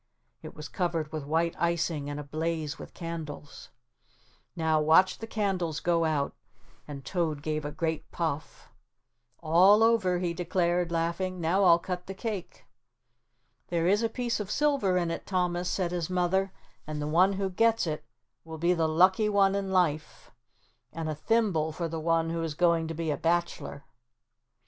It was covered with white icing and ablaze with candles. "Now watch the candles go out," and Toad gave a great puff. "All over," he declared, laughing, "now I'll cut the cake." "There is a piece of silver in it, Thomas," said his mother, "and the one who gets it will be the lucky one in life, and a thimble for the one who is going to be a bachelor."